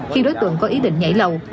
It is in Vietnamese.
khi đối tượng có ý định nhảy lầu